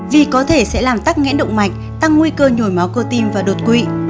vì có thể sẽ làm tắc nghẽn động mạch tăng nguy cơ nhồi máu cơ tim và đột quỵ